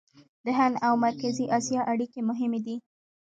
د هند او مرکزي اسیا اړیکې مهمې دي.